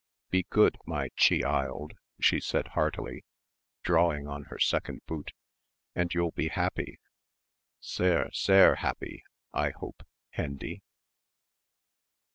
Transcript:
Be good, my che hild," she said heartily, drawing on her second boot, "and you'll be happy sehr sehr happy, I hope, Hendy."